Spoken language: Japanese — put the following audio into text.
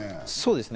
そうです。